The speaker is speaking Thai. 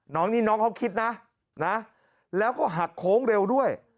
น้องนี่น้องเขาคิดนะนะแล้วก็หักโค้งเร็วด้วย